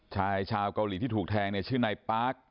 ใช่ชาวเกาหลีที่ทูกแทงเนี้ยชื่อนายป๊า